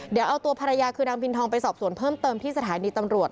เดี๋ยวเอาตัวภรรยาคือนางพินทองไปสอบสวนเพิ่มเติมที่สถานีตำรวจ